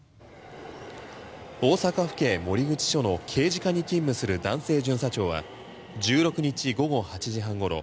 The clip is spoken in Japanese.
大阪府警守口署の刑事課に勤務する男性巡査長は１６日午後８時半ごろ